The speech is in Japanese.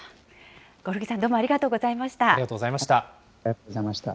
興梠さん、どうもありがとうございました。